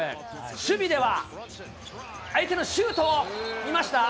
守備では、相手のシュートを、見ました？